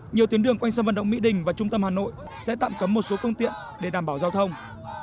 nhiều tuyến đường quanh sân vận động mỹ đình và trung tâm hà nội sẽ tạm cấm một số phương tiện để đảm bảo giao thông